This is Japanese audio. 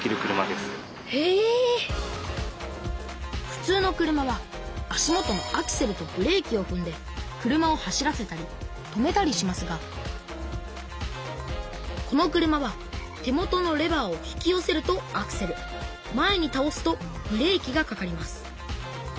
ふつうの車は足元のアクセルとブレーキをふんで車を走らせたり止めたりしますがこの車は手元のレバーを引きよせるとアクセル前にたおすとブレーキがかかります。